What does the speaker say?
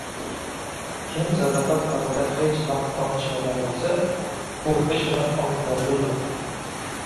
Kimki sadoqat haqida hech vaqt ont ichmagan bo‘lsa, u hech qachon ontini buzmaydi.